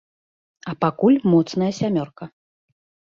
А пакуль моцная сямёрка.